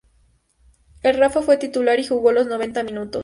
El Rafa fue titular y jugó los noventa minutos.